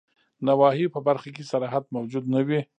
نواهیو په برخه کي صراحت موجود نه وي.